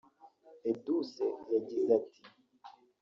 Edouce yagize ati